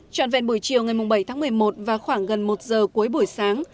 trọn vẹn buổi chiều ngày bảy tháng một mươi một và khoảng gần một giờ cuối buổi sáng